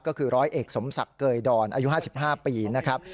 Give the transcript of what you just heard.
ก็คือร้อยเอกสมศักดิ์เกยดอนอายุ๕๕ปีนะครับ